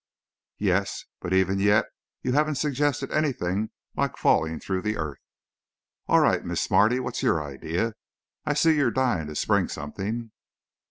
"Yes, but even yet, you haven't suggested anything like falling through the earth." "All right, Miss Smarty, what's your idea? I see you're dying to spring something."